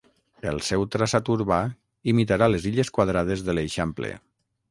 El seu traçat urbà imitarà les illes quadrades de l'Eixample.